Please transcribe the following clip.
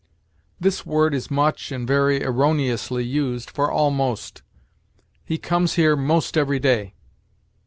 This word is much, and very erroneously, used for almost. "He comes here most every day."